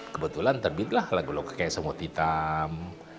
kebetulan terbit lah lagu lagu semua titam